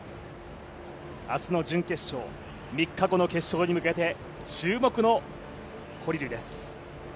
明日の準決勝３日後の決勝に向けて注目のコリルです。